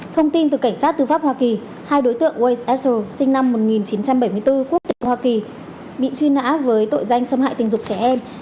thông tin từ cảnh sát tư pháp hoa kỳ hai đối tượng ways aster sinh năm một nghìn chín trăm bảy mươi bốn quốc tịch hoa kỳ bị truy nã với tội danh xâm hại tình dục trẻ em